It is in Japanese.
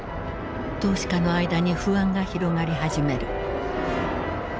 投資家の間に不安が広がり始める。